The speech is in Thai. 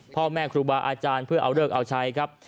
พ่อแม่ครูบาอาจารย์เพื่อเอาเลิกเอาใช้ครับ